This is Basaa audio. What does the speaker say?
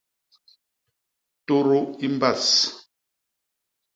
Tudu i mbas.